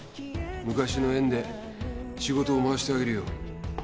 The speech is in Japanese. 昔の縁で仕事を回してあげるよ。